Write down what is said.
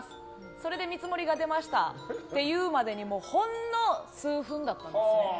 それで見積もりが出ましたって言うまでにほんの数分だったんですね。